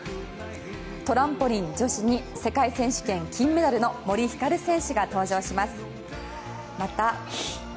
トランポリン女子に世界選手権金メダルの森ひかる選手が登場します。